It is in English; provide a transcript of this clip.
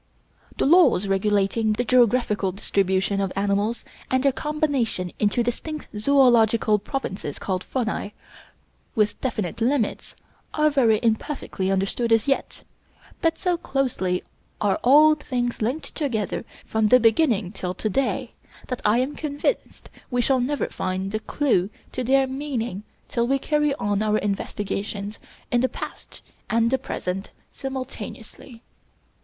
The laws regulating the geographical distribution of animals, and their combination into distinct zoölogical provinces called faunae, with definite limits, are very imperfectly understood as yet; but so closely are all things linked together from the beginning till to day, that I am convinced we shall never find the clew to their meaning till we carry on our investigations in the past and the present simultaneously.